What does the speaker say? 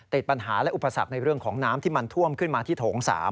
ติดปัญหาและอุปสรรคในเรื่องของน้ำที่มันท่วมขึ้นมาที่โถง๓